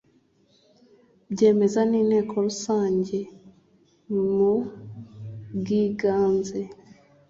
byemeza n’inteko rusange mu bwiganze